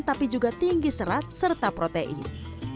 tapi juga tinggi serat serta protein